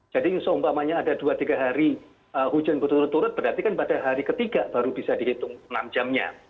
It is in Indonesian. seumpamanya ada dua tiga hari hujan berturut turut berarti kan pada hari ketiga baru bisa dihitung enam jamnya